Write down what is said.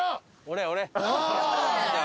俺俺。